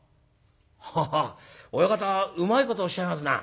「ハハッ親方うまいことおっしゃいますな」。